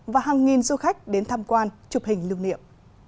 và hàng nghìn du khách đến tham quan chụp hình lưu niệm